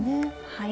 はい。